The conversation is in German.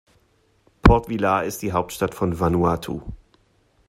Port Vila ist die Hauptstadt von Vanuatu.